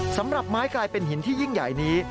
สำหรับไม้กลายเป็นหินที่ยิ่งใหญ่นี้